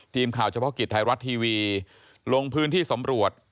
ทีมข่าวเฉพาะกิจไทยรัฐทีวีลงพื้นที่สำรวจ